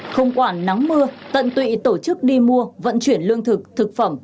không quản nắng mưa tận tụy tổ chức đi mua vận chuyển lương thực thực phẩm